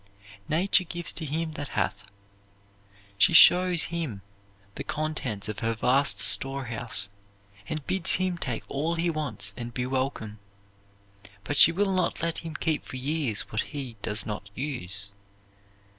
Nature gives to him that hath. She shows him the contents of her vast storehouse, and bids him take all he wants and be welcome. But she will not let him keep for years what he does not use.